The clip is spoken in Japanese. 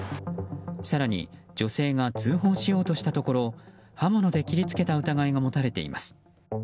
更に、女性が通報しようとしたところ刃物で切り付けた疑いが持たれています。